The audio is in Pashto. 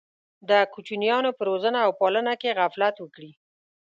د کوچنیانو په روزنه او پالنه کې غفلت وکړي.